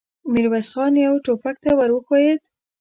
ميرويس خان يوه ټوپک ته ور وښويېد.